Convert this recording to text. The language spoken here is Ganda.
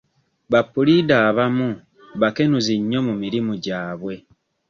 Ba puliida abamu bakenenuzi nnyo mu mirimu gyabwe.